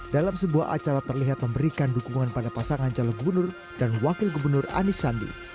dalam sebuah acara terlihat memberikan dukungan pada pasangan calon gubernur dan wakil gubernur anies sandi